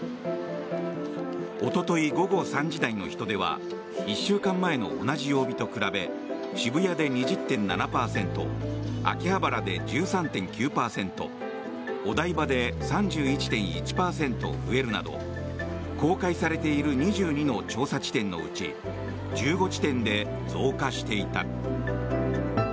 おととい午後３時台の人出は１週間前の同じ曜日と比べ渋谷で２０．７％秋葉原で１３．９％お台場で３１．１％増えるなど公開されている２２の調査地点のうち１５地点で増加していた。